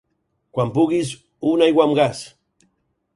Quan puguis, una aigua amb gas.